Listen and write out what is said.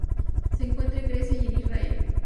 Se encuentra en Grecia y en Israel.